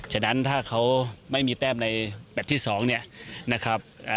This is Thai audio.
ฉะนั้นถ้าเขาไม่มีแต้มในแมทที่๒เนี่ยนะครับ